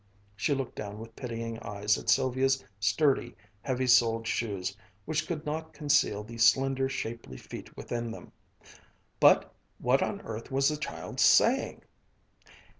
She looked down with pitying eyes at Sylvia's sturdy, heavy soled shoes which could not conceal the slender, shapely feet within them "but, what on earth was the child saying?